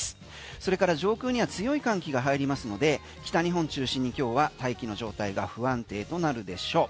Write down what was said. それから上空には強い寒気が入りますので北日本中心に今日は大気の状態が不安定となるでしょう。